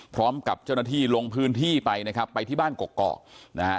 พร้อมกับเจ้าหน้าที่ลงพื้นที่ไปนะครับไปที่บ้านกกอกนะฮะ